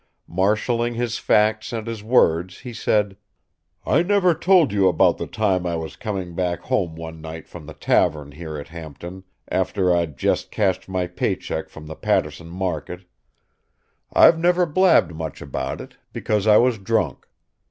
Marshaling his facts and his words, he said: "I never told you about the time I was coming back home one night from the tavern here at Hampton, after I'd just cashed my pay check from the Pat'son market. I've never blabbed much about it, because I was drunk.